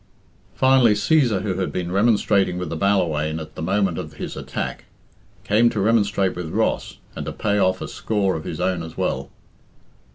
Finally, Cæsar, who had been remonstrating with the Ballawhaine at the moment of his attack, came to remonstrate with Ross, and to pay off a score of his own as well.